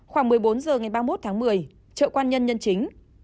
khoảng một mươi bốn h ngày ba mươi một tháng một mươi chợ quan nhân nhân chính